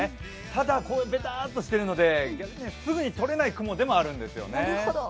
ただ、ベターとしているので、すぐにとれない雲でもあるんですよね。